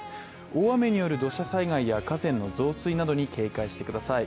大雨による土砂災害や河川の増水などに警戒してください。